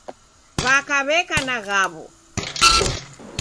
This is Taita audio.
W'aka w'eka na ghawo.